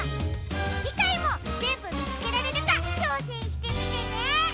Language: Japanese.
じかいもぜんぶみつけられるかちょうせんしてみてね！